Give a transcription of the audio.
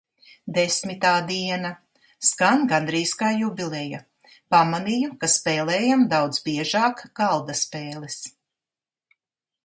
Desmitā diena. Skan gandrīz kā jubileja. Pamanīju, ka spēlējam daudz biežāk galda spēles.